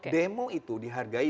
demo itu dihargai